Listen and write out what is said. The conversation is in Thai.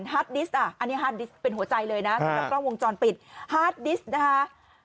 ฮาร์ดดิสต์อ่ะอันนี้ฮาร์ดดิสต์เป็นหัวใจเลยน่ะกล้องวงจรปิดฮาร์ดดิสต์นะคะ